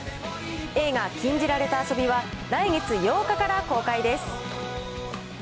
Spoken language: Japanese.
映画、禁じられた遊びは来月８日から公開です。